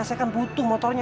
saya kan butuh motornya